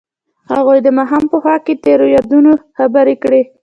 هغوی د ماښام په خوا کې تیرو یادونو خبرې کړې.